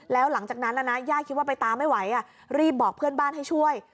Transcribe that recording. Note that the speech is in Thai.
แล้วหลังจากนั้นนะย่าคิดว่าไปตามไม่ไหวรีบบอกเพื่อนบ้านให้ช่วย